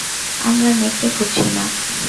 আমরা নেকড়ে খুঁজছি না।